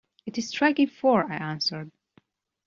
‘It is striking four,’ I answered.